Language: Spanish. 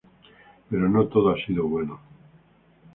Pero no todo ha sido bueno.